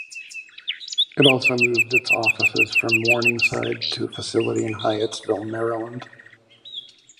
It also moved its offices from Morningside to a facility in Hyattsville, Maryland.